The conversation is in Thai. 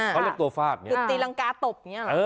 คือตีลังกาตบ